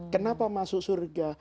kenapa masuk surga